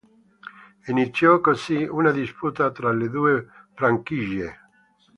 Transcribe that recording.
Iniziò così una disputa tra le due franchigie.